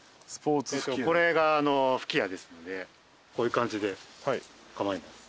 これが吹き矢ですのでこういう感じで構えます。